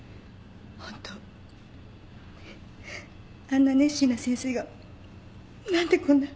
あんな熱心な先生が何でこんな。